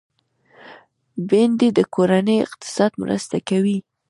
بېنډۍ د کورني اقتصاد مرسته کوي